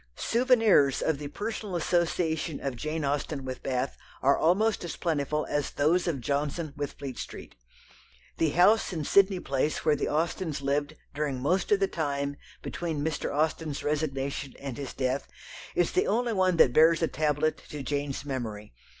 Souvenirs of the personal association of Jane Austen with Bath are almost as plentiful as those of Johnson with Fleet Street. The house in Sydney Place where the Austens lived during most of the time between Mr. Austen's resignation and his death is the only one that bears a tablet to Jane's memory.